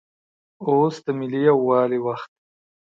اوس دملي یووالي وخت دی